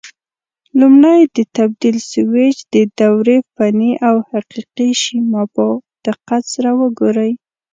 لومړی د تبدیل سویچ د دورې فني او حقیقي شیما په دقت سره وګورئ.